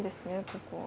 ここは。